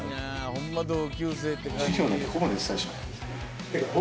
ホンマ同級生って感じ。